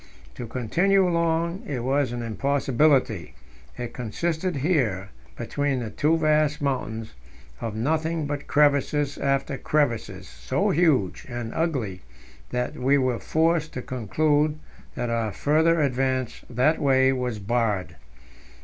To continue along it was an impossibility; it consisted here between the two vast mountains of nothing but crevasse after crevasse, so huge and ugly that we were forced to conclude that our further advance that way was barred.